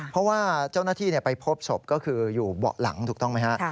เพราะว่าเจ้าหน้าที่ไปพบศพก็คืออยู่เบาะหลังถูกต้องไหมฮะ